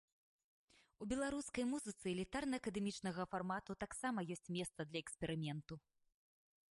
У беларускай музыцы элітарна-акадэмічнага фармату таксама ёсць месца для эксперыменту.